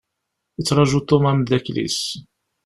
Yettraju Tom ameddakel-is.